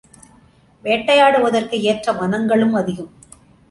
வேட்டையாடுவதற்கு ஏற்ற வனங்களும் அதிகம்.